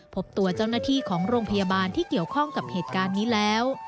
พบตัวเจ้าหน้าที่ของโรงพยาบาลที่เกี่ยวข้องกับเหตุการณ์นี้แล้ว